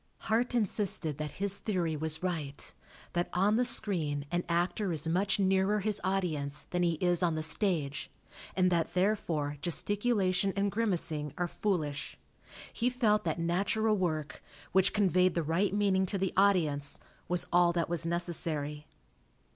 Hart insisted that his theory was right; that on the screen an actor is much nearer his audience than he is on the stage, and that therefore gesticulation and grimacing are foolish. He felt that natural work, which conveyed the right meaning to the audience, was all that was necessary.